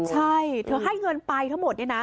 ใช่เธอให้เงินไปทั้งหมดเนี่ยนะ